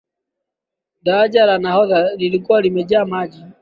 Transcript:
daraja la nahodha lilikuwa limejaa maji